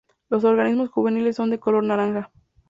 Los organismos juveniles son de color naranja.